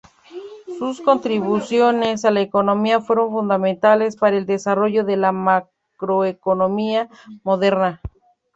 Sus contribuciones a la economía fueron fundamentales para el desarrollo de la macroeconomía moderna.